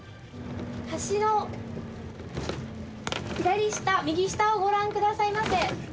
橋の左下、右下をご覧くださいませ。